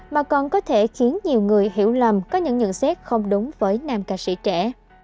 mà còn có thể khiến nhiều người hiểu lầm có những nhận xét không đúng với nam ca sĩ trẻ